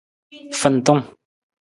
Fantung.